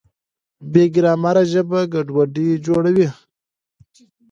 بې ګرامره ژبه ګډوډي جوړوي.